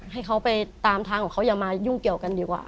ให้เขาไปตามทางของเขาอย่ามายุ่งเกี่ยวกันดีกว่า